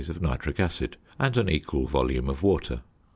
of nitric acid, and an equal volume of water.